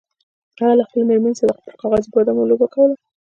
هغه له خپلې میرمنې سره پر کاغذي بادامو لوبه کوله.